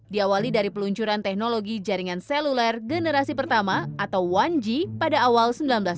diawali dari peluncuran teknologi jaringan seluler generasi pertama atau satu g pada awal seribu sembilan ratus sembilan puluh